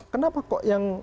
kenapa kok yang